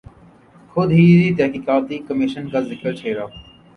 خود ہی تحقیقاتی کمیشن کا ذکر چھیڑا۔